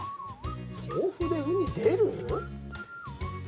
豆腐でウニ出る？